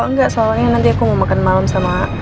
enggak soalnya nanti aku mau makan malam sama